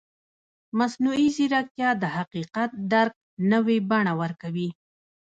مصنوعي ځیرکتیا د حقیقت درک نوې بڼه ورکوي.